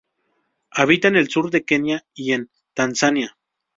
Habita en el sur de Kenia, y en Tanzania.